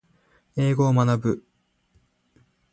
英語を学ぶ